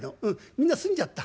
みんな済んじゃった。